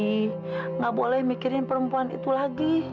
tidak boleh mikirin perempuan itu lagi